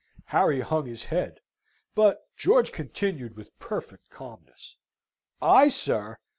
Harry hung his head, but George continued with perfect calmness: "I, sir?